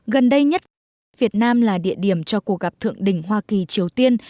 gần đây nhất việt nam là địa điểm cho cuộc gặp thượng đỉnh hoa kỳ triều tiên